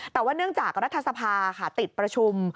แต่ว่าเนื่องจากรัฐสภาค่ะติดประชุม